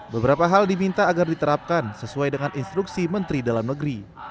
beberapa hal diminta agar diterapkan sesuai dengan instruksi menteri dalam negeri